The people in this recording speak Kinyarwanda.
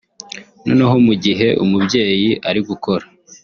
noneho mu gihe umubyeyi ari gukora